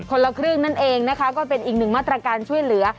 ละครึ่งนั่นเองนะคะก็เป็นอีกหนึ่งมาตรการช่วยเหลือ